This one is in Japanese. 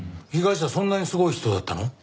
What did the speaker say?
被害者そんなにすごい人だったの？